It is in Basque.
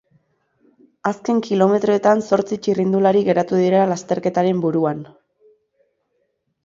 Azken kilometroetan zortzi txirrindulari geratu dira lasterketaren buruan.